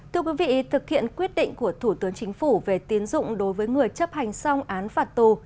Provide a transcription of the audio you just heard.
thưa quý vị thực hiện quyết định của thủ tướng chính phủ về tiến dụng đối với người chấp hành xong án phạt tù